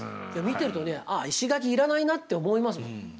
見てるとねああ石垣要らないなって思いますもん。